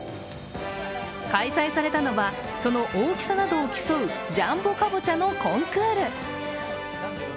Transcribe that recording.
開催されたのは、その大きさなどを競うジャンボカボチャのコンクール。